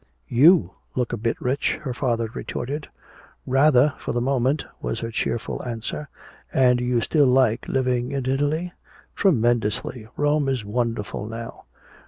"You look a bit rich," her father retorted. "Rather for the moment," was her cheerful answer. "And you still like living in Italy?" "Tremendously! Rome is wonderful now!"